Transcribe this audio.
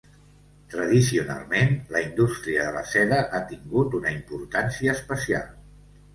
Tradicionalment la indústria de la seda ha tingut una importància especial.